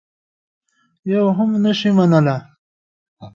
یوه هم نه شي منلای.